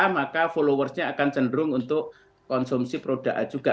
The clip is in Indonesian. maka followersnya akan cenderung untuk konsumsi produk juga